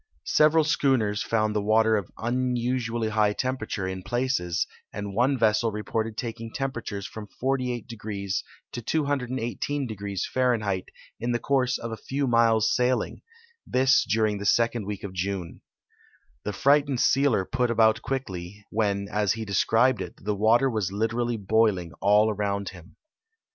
Several schooners found the water of unusually high tempera ture in places, and one ves.sel rei>orted taking temperatures from 48° to 218° Fahrenlieit in the course of a few miles' sailing, this during the second week of June, ddie frightened sealer |)ut about quickly, when, as he descril^ed it, the water was literally boiling all around him.